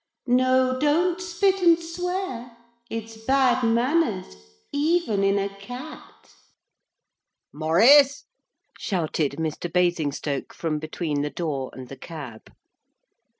No, don't spit and swear. It's bad manners even in a cat.' 'Maurice!' shouted Mr. Basingstoke from between the door and the cab.